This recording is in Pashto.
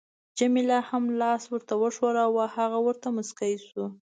جميله هم لاس ورته وښوراوه، هغه ورته مسکی شو.